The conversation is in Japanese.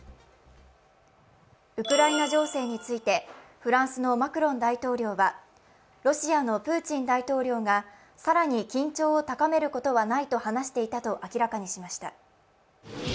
ウクライナ情勢について、フランスのマクロン大統領は、ロシアのプーチン大統領が更に緊張を高めることはないと話していたと明らかにしました。